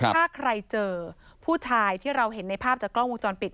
ถ้าใครเจอผู้ชายที่เราเห็นในภาพจากกล้องวงจรปิด